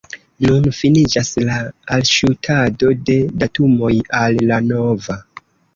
Nun finiĝas la alŝutado de datumoj al la nova.